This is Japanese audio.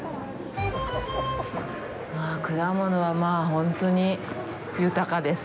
果物は、まあ本当に豊かです。